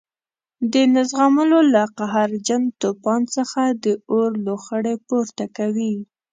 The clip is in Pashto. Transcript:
د نه زغملو له قهرجن توپان څخه د اور لوخړې پورته کوي.